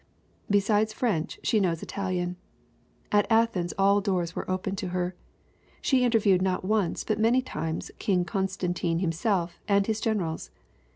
Besides French she knows Italian. At Athens all doors were open to her. She interviewed not once but many times King Con stantine himself and his generals.